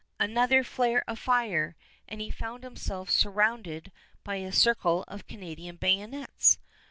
Another flare of fire, and he found himself surrounded by a circle of Canadian bayonets.